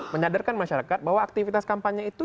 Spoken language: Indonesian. menyadarkan masyarakat bahwa aktivitas kampanye itu